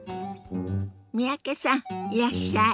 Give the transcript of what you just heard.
三宅さんいらっしゃい。